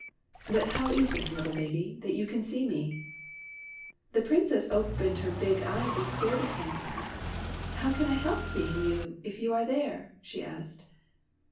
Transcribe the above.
" But how is it, little lady, that you can see me ?" The Princess opened her big eyes and stared at him. '' How can I help seeing you, if you are there ?" she asked.